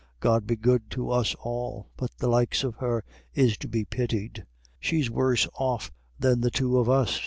God be good to us all, but the likes of her is to be pitied. She's worse off than the two of us.